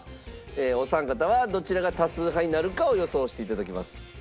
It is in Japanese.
お三方はどちらが多数派になるかを予想して頂きます。